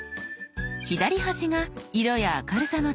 左端が「色や明るさの調整」。